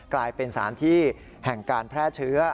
กลายเป็นสารที่แห่งการแพร่เชื้อ